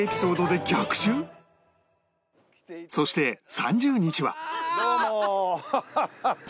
そして３０日は